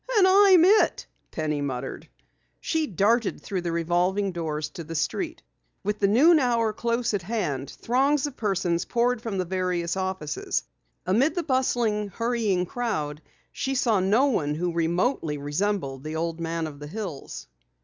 "And I'm it," Penny muttered. She darted through the revolving doors to the street. With the noon hour close at hand throngs of persons poured from the various offices. Amid the bustling, hurrying crowd she saw no one who remotely resembled the old man of the hills.